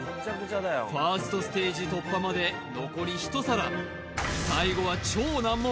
ファーストステージ突破まで残り１皿最後は超難問！